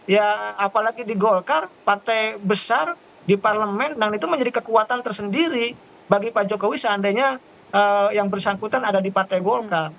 ya apalagi di golkar partai besar di parlemen dan itu menjadi kekuatan tersendiri bagi pak jokowi seandainya yang bersangkutan ada di partai golkar